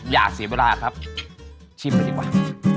อย่าเสียเวลาครับชิมเลยดีกว่า